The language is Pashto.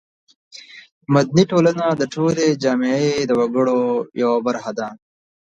مدني ټولنه د ټولې جامعې د وګړو یوه برخه ده.